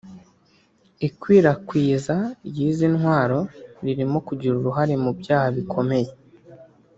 Ikwirakwiza ry’izi ntwaro ririmo kugira uruhare mu byaha bikomeye